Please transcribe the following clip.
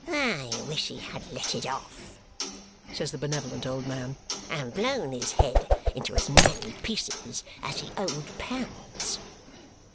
"I wish he had let it off," says the benevolent old man, "and blown his head into as many pieces as he owed pounds!"